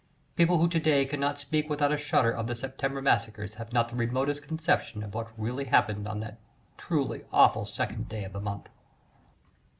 People who to day cannot speak without a shudder of the September massacres have not the remotest conception of what really happened on that truly awful second day of that month.